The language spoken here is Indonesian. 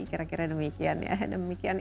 kira kira demikian ya demikian